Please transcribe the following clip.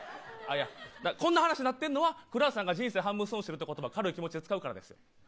こんな話になってるのはクラハシさんが人生半分損してるという言葉を軽い気持ちで使うからです。